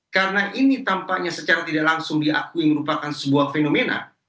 karena ini tampaknya secara tidak langsung diakui merupakan sebuah fenomena